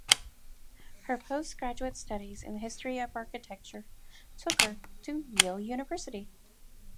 Her postgraduate studies in the History of Architecture took her to Yale University.